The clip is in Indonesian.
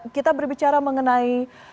kita berbicara mengenai